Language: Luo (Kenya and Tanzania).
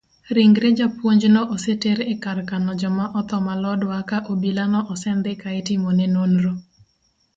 Ringre japuonjno oseter ekar kano joma otho ma lodwa ka obilano osendhi kaitimone nonro.